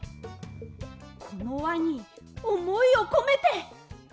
このわにおもいをこめて。